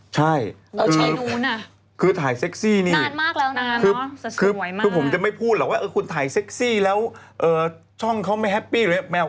ใช่คือถ่ายเซ็กซี่นี่คือคือผมจะไม่พูดแล้วว่าคุณถ่ายเซ็กซี่แล้วช่องเขาไม่แฮปปี้หรืออะไร